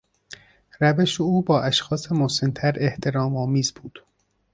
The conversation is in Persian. روش او با اشخاص مسنتر احترامآمیز بود.